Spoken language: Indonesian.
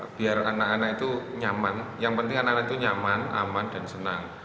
biar anak anak itu nyaman yang penting anak anak itu nyaman aman dan senang